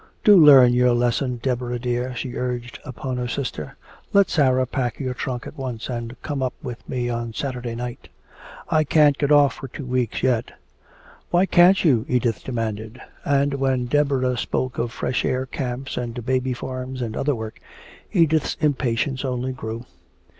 "Do learn your lesson, Deborah dear," she urged upon her sister. "Let Sarah pack your trunk at once and come up with me on Saturday night." "I can't get off for two weeks yet." "Why can't you?" Edith demanded. And when Deborah spoke of fresh air camps and baby farms and other work, Edith's impatience only grew.